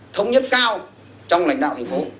thống nhất cao trong lãnh đạo thành phố